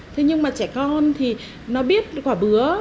thế nhưng mà trẻ con thì nó biết quả bứa